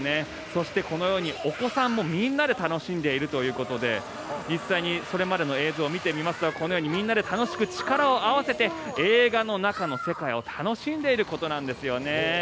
そして、このようにお子さんもみんなで楽しんでいるということで実際にそれまでの映像を見てみますとこのようにみんなで力を合わせて映画の中の世界を楽しんでいることなんですよね。